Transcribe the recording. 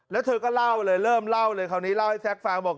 แล้วเธอก็เล่าเลยเริ่มเล่าเลยคราวนี้เล่าให้แซ็กฟังบอก